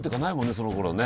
そのころね。